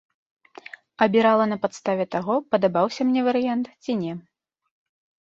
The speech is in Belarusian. Абірала на падставе таго, падабаўся мне варыянт ці не.